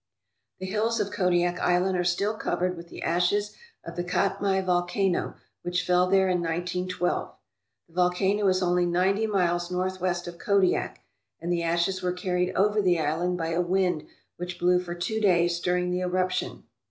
The hills of Kodiak Island are still covered with the ashes of the Katmai volcano which fell there in 1912. The volcano is only ninety miles northwest of Kodiak, and the ashes were carried over the island by a wind which blew for two days during the eruption.